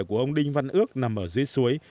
của ông đinh văn ước nằm ở dưới suối